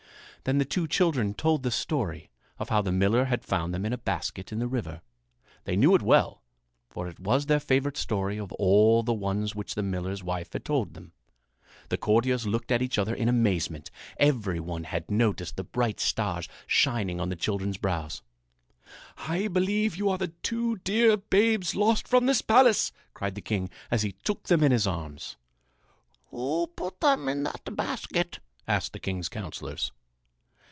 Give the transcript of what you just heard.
Then the two children told the story of how the miller had found them in a basket in the river. They knew it well, for it was their favorite story of all the ones which the miller's wife had told them. The courtiers looked at each other in amazement. Every one had noticed the bright stars shining on the children's brows. "I believe you are the two dear babes lost from this palace!" cried the king as he took them in his arms. "Who put them in that basket?" asked the king's counsellors.